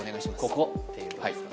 ここっていうことですか？